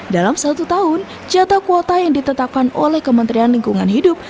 dalam satu tahun jatah kuota yang ditetapkan oleh kementerian lingkungan hidup